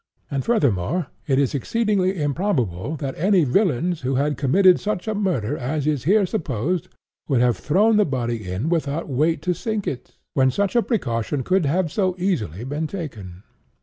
And, furthermore, it is exceedingly improbable that any villains who had committed such a murder as is here supposed, would have thrown the body in without weight to sink it, when such a precaution could have so easily been taken."